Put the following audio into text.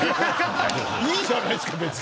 いいじゃないですか、別に。